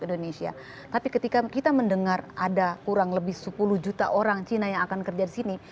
indonesia tapi ketika kita mendengar ada kurang lebih sepuluh juta orang cina yang akan kerja di sini